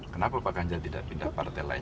kenapa pak ganjar tidak pindah partai lain